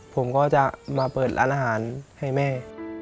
ผมก็จะมาเปิดร้านอาหารให้แม่